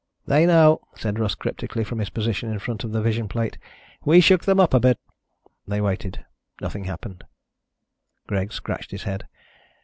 "They know," said Russ cryptically from his position in front of the vision plate. "We shook them up a bit." They waited. Nothing happened. Greg scratched his head.